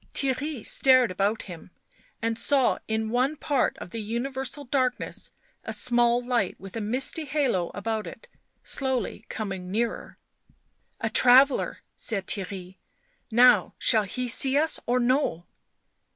Theirry stared about him and saw in one part of the universal darkness a small light with a misty halo about it, slowly coming nearer. " A traveller," said Theirry. " Now shall he see us or no?"